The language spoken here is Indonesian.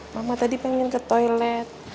mama tadi pengen ke toilet